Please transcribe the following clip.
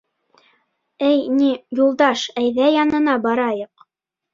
Эй, ни, Юлдаш, әйҙә янына барайыҡ.